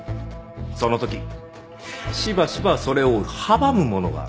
その時しばしばそれを阻むものがある。